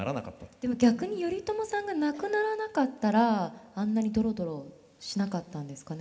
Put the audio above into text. でも逆に頼朝さんが亡くならなかったらあんなにドロドロしなかったんですかね